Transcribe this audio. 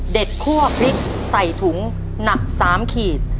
คั่วพริกใส่ถุงหนัก๓ขีด